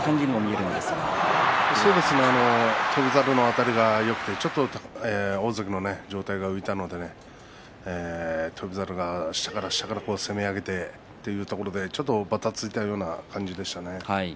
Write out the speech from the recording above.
そうですね翔猿のあたりがよくて大関の上体が浮いたので翔猿が下から下から攻め上げて遠いところでちょっとばたついたような感じでしたね。